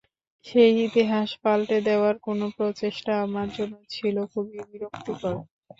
সেই ইতিহাস পাল্টে দেওয়ার কোনো প্রচেষ্টা আমার জন্য ছিল খুবই বিরক্তিকর।